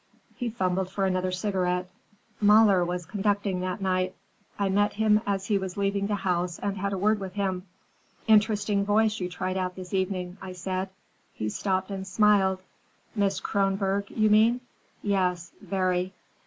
He fumbled for another cigarette. "Mahler was conducting that night. I met him as he was leaving the house and had a word with him. 'Interesting voice you tried out this evening,' I said. He stopped and smiled. 'Miss Kronborg, you mean? Yes, very.